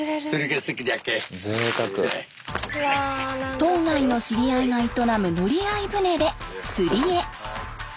島外の知り合いが営む乗り合い船で釣りへ。